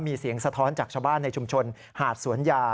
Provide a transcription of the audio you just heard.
มีเสียงสะท้อนจากชาวบ้านในชุมชนหาดสวนยา